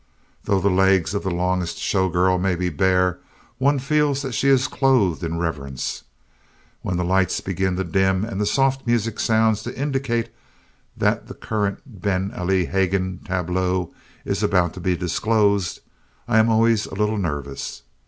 Though the legs of the longest showgirl may be bare, one feels that she is clothed in reverence. When the lights begin to dim, and the soft music sounds to indicate that the current Ben Ali Haggin tableau is about to be disclosed, I am always a little nervous.